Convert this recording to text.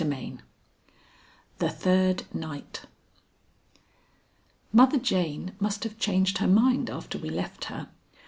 XXII THE THIRD NIGHT Mother Jane must have changed her mind after we left her.